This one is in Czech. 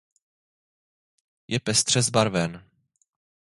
Je pestře zbarven.